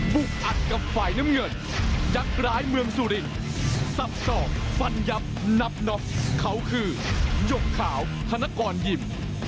อัดกับฝ่ายน้ำเงินจากร้ายเมืองสุรินสับสอกฟันยับนับน็อกเขาคือหยกขาวธนกรยิม